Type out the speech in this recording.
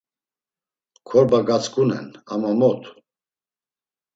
Korba gatzǩunen ama mot?